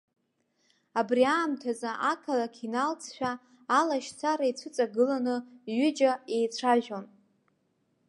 Абри аамҭазы ақалақь иналҵшәа, алашьцара ицәыҵагыланы ҩыџьа еицәажәон.